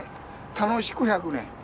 楽しく１００年。